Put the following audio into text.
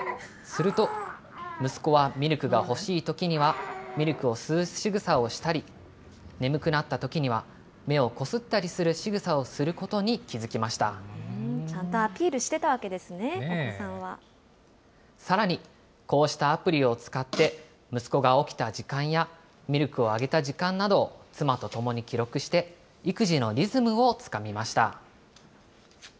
すると、息子はミルクが欲しいときにはミルクを吸うしぐさをしたり、眠くなったときには目をこすったりするしぐさをすることに気付きちゃんとアピールしてたわけさらに、こうしたアプリを使って、息子が起きた時間やミルクをあげた時間などを妻と共に記録して、育児のリズムをつかみました。